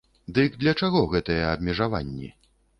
Дык для чаго гэтыя абмежаванні?